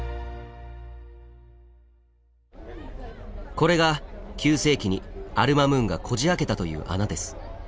これが９世紀にアル・マムーンがこじあけたという穴です。